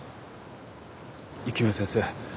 雪宮先生。